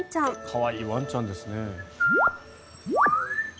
可愛いワンちゃんですね。